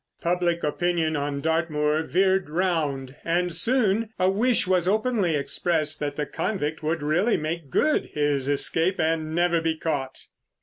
Public opinion on Dartmoor veered round, and soon a wish was openly expressed that the convict would really make good his escape and never be caught.